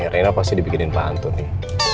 rela pasti dibikinin pantun nih